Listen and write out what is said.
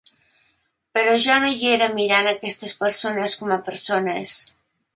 Però jo no hi era mirant aquestes persones com a persones.